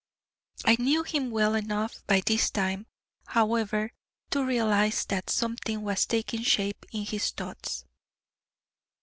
I knew him well enough by this time, however, to realize that something was taking shape in his thoughts.